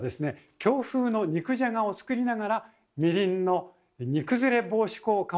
京風の肉じゃがを作りながらみりんの煮崩れ防止効果を検証してみたいと思います。